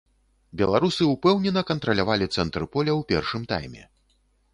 Беларусы ўпэўнена кантралявалі цэнтр поля ў першым тайме.